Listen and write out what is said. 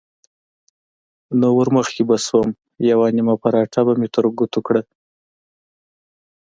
نو ورمخکې به شوم، یوه نیمه پراټه به مې تر ګوتو کړه.